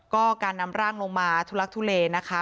ก็การนำร่างลงมาทุลักทุเลนะคะ